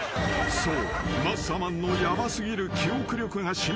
そう。